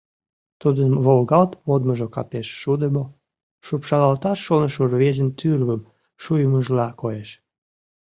Тудын волгалт модмыжо капеш шудымо, шупшалалташ шонышо рвезын тӱрвым шуйымыжла коеш.